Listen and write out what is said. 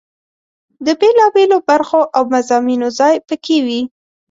د بېلا بېلو برخو او مضامینو ځای په کې وي.